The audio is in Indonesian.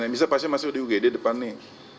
yang bisa pasti masuk di ugd depan nih